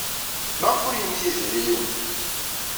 Maɣef ur yenni Yidir i yiwen?